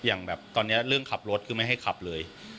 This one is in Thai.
อย่างแบบตอนนี้เรื่องขับรถคือไม่ให้ขับเลย